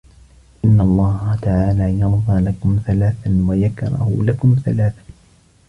إنَّ اللَّهَ تَعَالَى يَرْضَى لَكُمْ ثَلَاثًا وَيَكْرَهُ لَكُمْ ثَلَاثًا